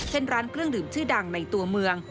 เช่นร้านเครื่องดื่มชื่อดังในตัวเมือง